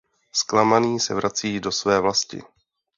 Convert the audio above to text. Zklamaný se vrací do své vlasti.